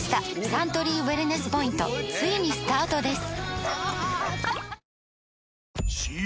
サントリーウエルネスポイントついにスタートです！